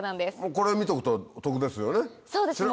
これ見とくと得ですよね？